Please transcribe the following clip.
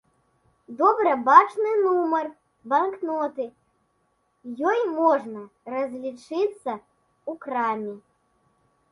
Добра бачны нумар банкноты, ёю можна разлічыцца ў краме.